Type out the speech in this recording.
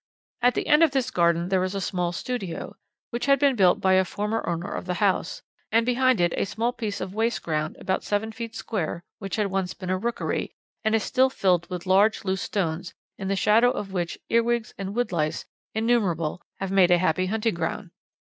"At the end of this garden there is a small studio which had been built by a former owner of the house, and behind it a small piece of waste ground about seven feet square which had once been a rockery, and is still filled with large loose stones, in the shadow of which earwigs and woodlice innumerable have made a happy hunting ground.